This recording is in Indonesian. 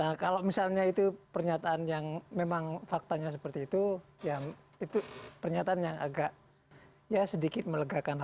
nah kalau misalnya itu pernyataan yang memang faktanya seperti itu ya itu pernyataan yang agak ya sedikit melegakan